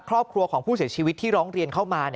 ครอบครัวของผู้เสียชีวิตที่ร้องเรียนเข้ามา